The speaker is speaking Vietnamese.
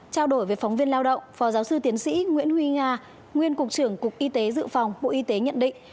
trao đổi với phóng viên lao động phó giáo sư tiến sĩ nguyễn huy nga nguyên cục trưởng cục y tế dự phòng bộ y tế nhận định